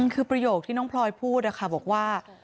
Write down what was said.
คือประโยคที่น้องพลอยพูดนะคะบอกว่า